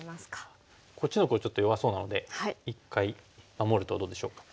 こっちのほうちょっと弱そうなので一回守るとどうでしょうか？